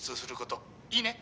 いいね？